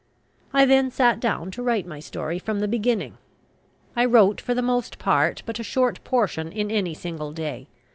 I then sat down to write my story from the beginning. I wrote for the most part but a short portion in any single day.